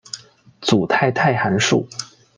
组态态函数。